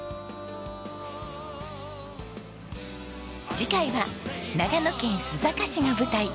次回は長野県須坂市が舞台。